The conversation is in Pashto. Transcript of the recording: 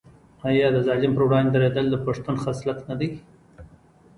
آیا د ظالم پر وړاندې دریدل د پښتون خصلت نه دی؟